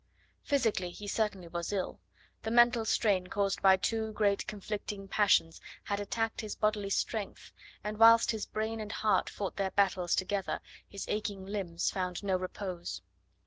Physically he certainly was ill; the mental strain caused by two great conflicting passions had attacked his bodily strength, and whilst his brain and heart fought their battles together, his aching limbs found no repose.